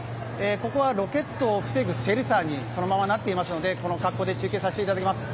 ここはロケットを防ぐシェルターになっていますのでこの格好で中継させていただきます。